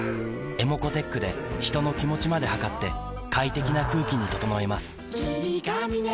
ｅｍｏｃｏーｔｅｃｈで人の気持ちまで測って快適な空気に整えます